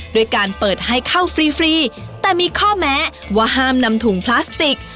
ด้วยการเปิดให้เข้าฟรีแต่มีข้อแม้ว่าห้ามนำถุงพลาสติก